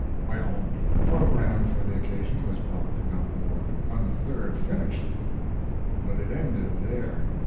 Well, the programme for the occasion was probably not more than one third finished, but it ended there.